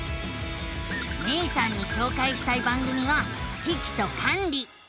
めいさんにしょうかいしたい番組は「キキとカンリ」。